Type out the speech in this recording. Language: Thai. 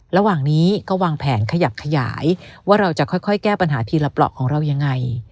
ระหว่างนี้ก็วางแผนขยับขยายว่าเราจะค่อยแก้ปัญหาทีละเปราะของเรายังไง